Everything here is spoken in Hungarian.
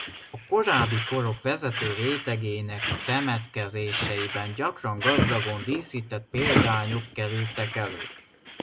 A korábbi korok vezető rétegének temetkezéseiben gyakran gazdagon díszített példányok kerültek elő.